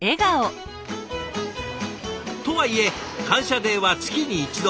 とはいえ「感謝デー」は月に一度。